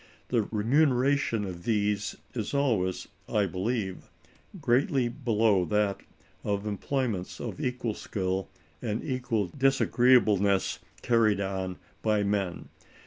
The remuneration of these is always, I believe, greatly below that of employments of equal skill and equal disagreeableness carried on by men.